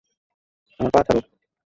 আমার পা ছাড়।